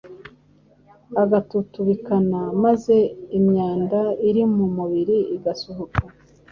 agatutubikana maze imyanda iri mu mubiri igasohoka.